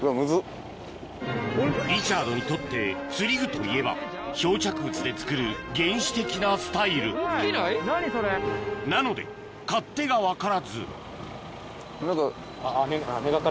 リチャードにとって釣具といえば漂着物で作る原始的なスタイルなので勝手が分からず何か。